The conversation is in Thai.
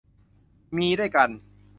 มีด้วยกัน